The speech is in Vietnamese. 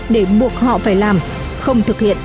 để buộc họ phải làm không thực hiện